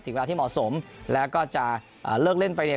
เวลาที่เหมาะสมแล้วก็จะเลิกเล่นไปเนี่ย